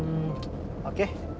oke boleh deh